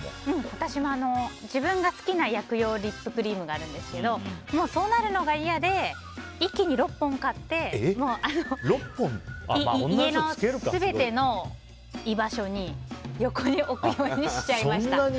私も自分が好きな薬用リップクリームがあるんですけどそうなるのが嫌で一気に６本買って家の全ての居場所に横に置くようにしちゃいました。